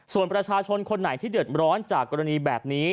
ส่วนประชาชนคนไหนที่เดือดร้อนจากกรณีแบบนี้